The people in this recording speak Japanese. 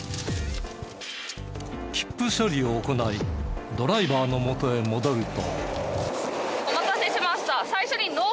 切符処理を行いドライバーの元へ戻ると。